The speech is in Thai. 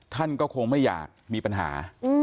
ท่านก็คงไม่อยากมีปัญหา